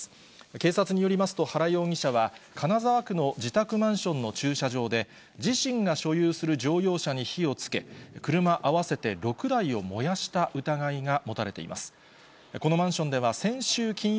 警察によりますと、原容疑者は、金沢区の自宅マンションの駐車場で、自身が所有する乗用車に火をつけ、６台を燃やした疑いが持たれています。